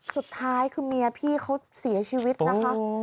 สุดท้ายคือเมียพี่เขาเสียชีวิตนะคะ